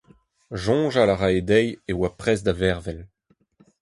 Soñjal a rae dezhi e oa prest da vervel.